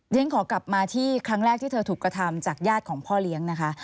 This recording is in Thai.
เรียนขอกลับมาที่ครั้งแรกที่เธอถูกกระทำจากญาติของพ่อเลี้ยงนะคะ